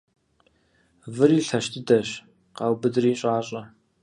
Выри лъэщ дыдэщ — къаубыдри щӀащӀэ.